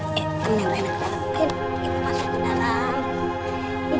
waktu ini kita memiliki lempo positif